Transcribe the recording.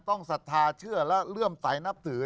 ศรัทธาเชื่อและเลื่อมใสนับถือ